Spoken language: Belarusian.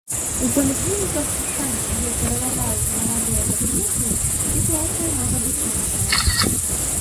У паліклініках, там, дзе пераважаюць маладыя пацыенты, сітуацыя можа быць іншая.